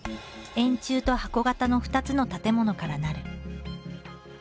円柱と箱型の２つの建物からなる。